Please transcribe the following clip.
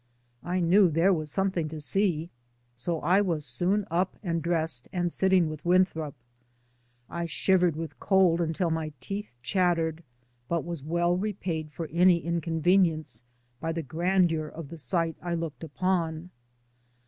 I knew there was something to see, so I was soon up and dressed and sitting with Winthrop. I shivered with cold until my teeth chattered, but was well repaid for any inconvenience by the grandeur of the sight I looked upon.